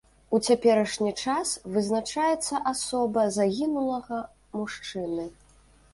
У цяперашні час вызначаецца асоба загінулага мужчыны.